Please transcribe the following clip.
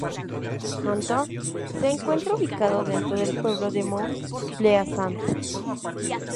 Hawthorne se encuentra ubicado dentro del pueblo de Mount Pleasant.